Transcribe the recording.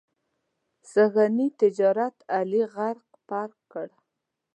سږني تجارت علي غرق پرق کړ.